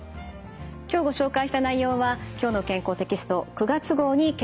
今日ご紹介した内容は「きょうの健康」テキスト９月号に掲載されています。